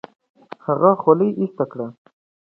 هغه خولۍ ایسته کړه.